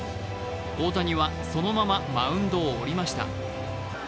大谷はそのままマウンドを降りました。